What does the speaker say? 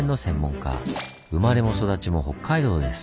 生まれも育ちも北海道です。